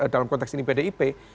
dalam konteks ini pdip